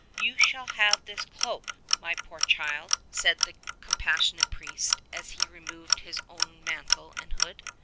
"You shall have this cloak, my poor child," said the com passionate priest as he removed his own mantle and hood.